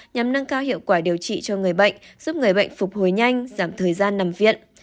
nhằm nâng cao hiệu quả điều trị cho người bệnh giúp người bệnh phục hồi nhanh giảm thời gian nằm viện